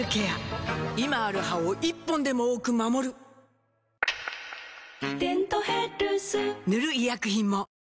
今ある歯を１本でも多く守る「デントヘルス」塗る医薬品も